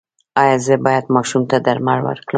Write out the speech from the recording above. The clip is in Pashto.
ایا زه باید ماشوم ته درمل ورکړم؟